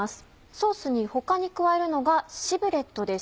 ソースに他に加えるのがシブレットです。